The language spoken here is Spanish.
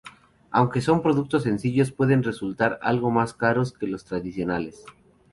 Aunque son productos sencillos, pueden resultar algo más caros que los tradicionales.